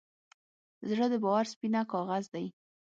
زړه د باور سپینه کاغذ دی.